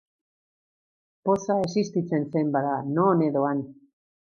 Poza existitzen zen, bada, non edo han!